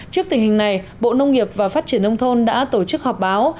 trước tình hình này bộ nông nghiệp và phát triển nông thôn đã tổ chức họp báo